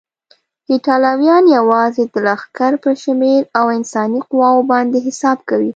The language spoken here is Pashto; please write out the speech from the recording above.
ایټالویان یوازې د لښکر پر شمېر او انساني قواوو باندې حساب کوي.